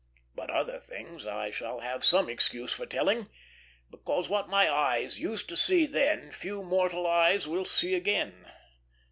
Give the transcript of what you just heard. But other things I shall have some excuse for telling; because what my eyes used to see then few mortal eyes will see again.